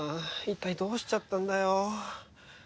一体どうしちゃったんだよ。